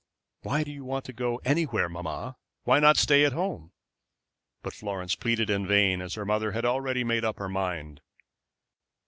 "Why do you want to go anywhere, mamma? Why not stay at home?" But Florence pleaded in vain as her mother had already made up her mind.